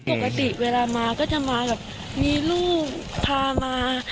ปกติเวลามาก็จะมีลูกพามา